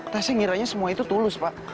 tasya ngiranya semua itu tulus pak